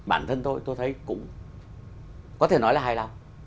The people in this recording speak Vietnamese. bản thân tôi tôi thấy cũng có thể nói là hài lòng